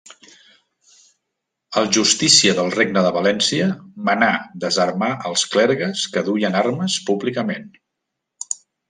El Justícia del Regne de València manà desarmar els clergues que duien armes públicament.